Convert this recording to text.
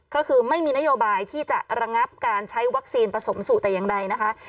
ก็คือไม่มีนโยบายที่จะระงับการใช้วัคซีนผสมสู่แต่อย่างใดนะคะ